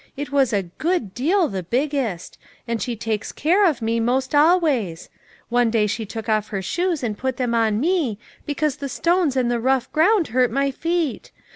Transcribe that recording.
It was a good deal the biggest; and she takes care of me most always ; one day she took off her shoes and put them on me, because the stones and the rough ground hurt my feet.